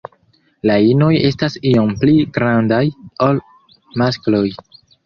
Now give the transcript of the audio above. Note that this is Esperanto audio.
La inoj estas iom pli grandaj ol maskloj.